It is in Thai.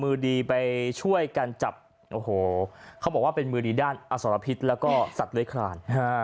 มือดีไปช่วยกันจับโอ้โหเขาบอกว่าเป็นมือดีด้านอสรพิษแล้วก็สัตว์เลื้อยคลาน